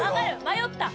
迷った。